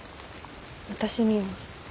私には。